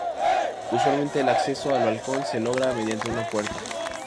Usualmente el acceso al balcón se logra mediante una puerta.